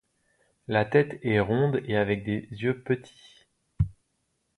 La tête est ronde et avec des yeux petits.